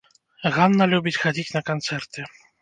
Ганна любіць хадзіць на канцэрты.